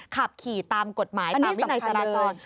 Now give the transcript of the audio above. ขับขี่ตามกฎหมายตามวินัยจราจร